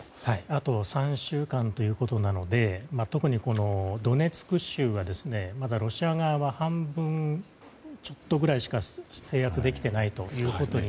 あと３週間ということで特にドネツク州はまだロシア側は半分ちょっとくらいしか制圧できていません。